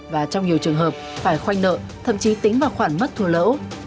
và trong nhiều trường hợp phải khoanh nợ thậm chí tính vào khoản mất thua lỗ